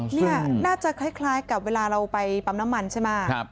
นี่น่าจะคล้ายกับเวลาเราไปปั๊มน้ำมันใช่ไหม